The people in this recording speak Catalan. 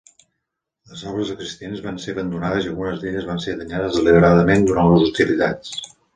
Les obres existents van ser abandonades i algunes d'elles van ser danyades deliberadament durant les hostilitats.